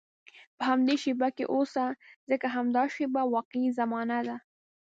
په همدې شېبه کې اوسه، ځکه همدا شېبه واقعي زمانه ده.